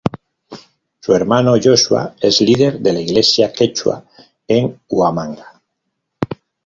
Su hermano Joshua es líder de la iglesia quechua en Huamanga.